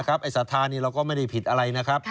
ศรัทธานี้เราก็ไม่ได้ผิดอะไรนะครับ